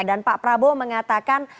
dan pak prabowo mengatakan